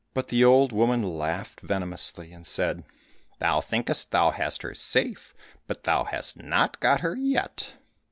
But the old woman laughed venomously, and said, "Thou thinkest thou hast her safe, but thou hast not got her yet!"